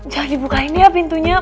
jangan dibukain ya pintunya